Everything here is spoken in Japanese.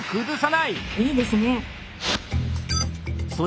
いいですね！